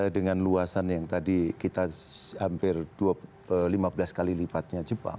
karena dengan luasan yang tadi kita hampir lima belas kali lipatnya jepang